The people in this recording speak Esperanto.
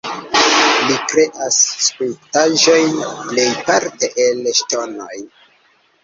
Li kreas skulptaĵojn plejparte el ŝtonoj.